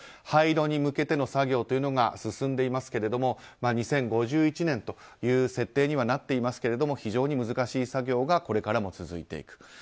廃炉に向けての作業というのが進んでいますが２０５１年という設定にはなっていますが非常に難しい作業がこれからも続いていく。